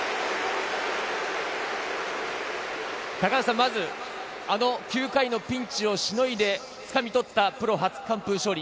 まず、あの９回のピンチをしのいで掴み取ったプロ初完封勝利。